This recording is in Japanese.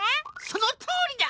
そのとおりだ。